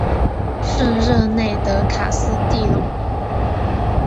圣热内德卡斯蒂隆。